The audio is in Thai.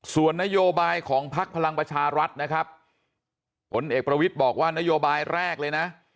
ส่วนนโยบายของพักพลังประชารัฐนะครับผลเอกประวิทย์บอกว่านโยบายแรกเลยนะ